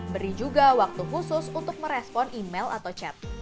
beri juga waktu khusus untuk merespon email atau chat